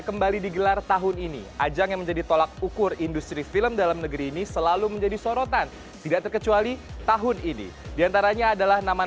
kalau nona benar benar serius dengan anak saya